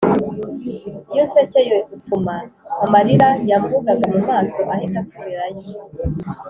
iyo unsekeye utuma amarira yambugaga mu maso ahita asubirayo